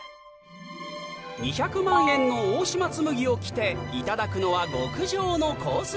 ２００万円の大島紬を着ていただくのは極上のコース